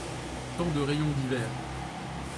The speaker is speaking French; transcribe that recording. Tant de rayons divers